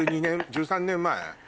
１３年前。